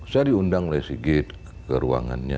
saya diundang oleh sigit ke ruangannya